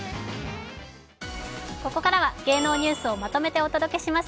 ここからは芸能ニュースをまとめてお届けします。